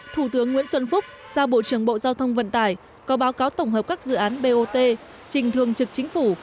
thủ tướng nguyễn xuân phúc giao bộ trưởng bộ giao thông vận tải có báo cáo tổng hợp các dự án bot trình thường trực chính phủ